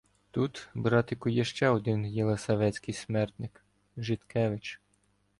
- Тут, братику, є ще один єлисаветський "смертник” — Житкевич.